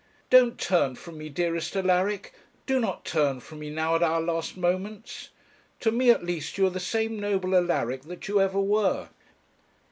'Don't turn from me, dearest Alaric; do not turn from me now at our last moments. To me at least you are the same noble Alaric that you ever were.'